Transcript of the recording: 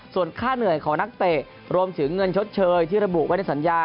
ส่วนค่าเหนื่อยของนักเตะรวมถึงเงินชดเชยที่ระบุไว้ในสัญญา